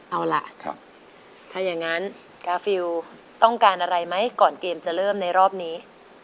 เอาล่ะถ้าอย่างนั้นกาฟิลต้องการอะไรไหมก่อนเกมจะเริ่มในรอบนี้